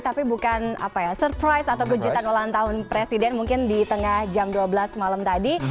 tapi bukan apa ya surprise atau kejutan ulang tahun presiden mungkin di tengah jam dua belas malam tadi